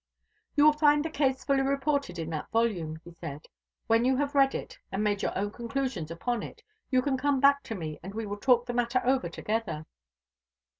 "You will find the case fully reported in that volume," he said. "When you have read it, and made your own conclusions upon it, you can come back to me, and we will talk the matter over together."